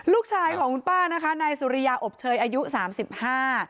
ลูกชายของคุณป้านะคะนายสุริยาอบเชยอายุสามสิบห้า